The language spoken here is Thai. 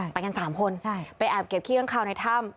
ไปกัน๓คนไปแอบเก็บขี้ข้างคาวในถ้ำ